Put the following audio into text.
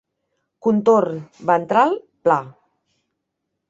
Contorn ventral pla.